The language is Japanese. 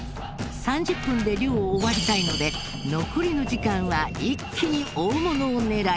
３０分で漁を終わりたいので残りの時間は一気に大物を狙い。